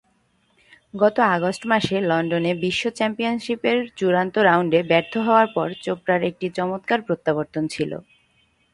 গত আগস্ট মাসে লন্ডনে বিশ্ব চ্যাম্পিয়নশিপের চূড়ান্ত রাউন্ডে ব্যর্থ হওয়ার পর চোপড়ার একটি চমৎকার প্রত্যাবর্তন ছিল।